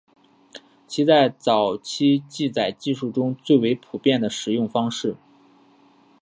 其在早期记载技术中为最为普遍的使用方式。